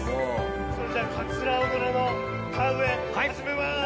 それじゃあ尾村の田植え始めます！